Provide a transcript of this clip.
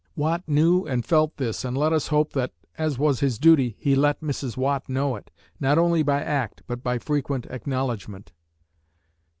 Watt knew and felt this and let us hope that, as was his duty, he let Mrs. Watt know it, not only by act, but by frequent acknowledgment.